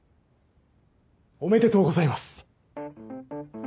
おめでとうございます。